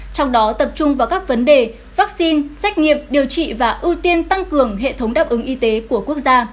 trong đó tập trung vào các vấn đề vaccine xét nghiệm điều trị và ưu tiên tăng cường hệ thống đáp ứng y tế của quốc gia